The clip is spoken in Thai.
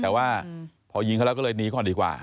แต่ว่าพอยิงเขาแล้วก็เลยหนีก่อนดีกว่า